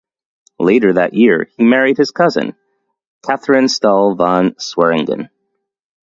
Later that year he married his cousin, Catherin Stull van Swearingen.